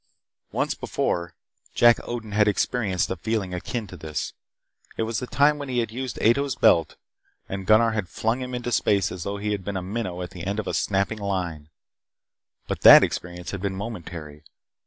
Once before, Jack Odin had experienced a feeling akin to this. It was the time when he had used Ato's belt, and Gunnar had flung him into space as though he had been a minnow at the end of a snapping line. But that experience had been momentary.